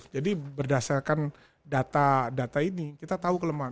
jadi berdasarkan data data ini kita tahu kelemahan